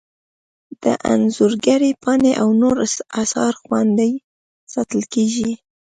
د انځورګرۍ پاڼې او نور اثار خوندي ساتل کیږي.